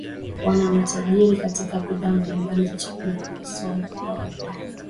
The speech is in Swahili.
Wana matajiri katika bidhaa mbalimbali za chakula na masoko ya ndani